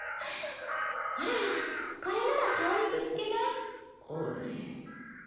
ほらこれなら顔にぶつけない。